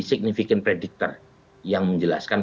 signifikan predictor yang menjelaskan